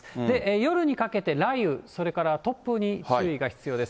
夜にかけて雷雨、それから突風に注意が必要です。